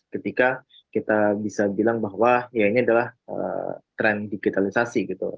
ketika kita bisa bilang bahwa ya ini adalah tren digitalisasi gitu